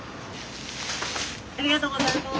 ありがとうございます。